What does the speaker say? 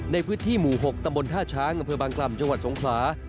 ในพื้นที่หมู่๖ตำบลท่าช้างอำเภอบางกล่ำจังหวัดสงขลา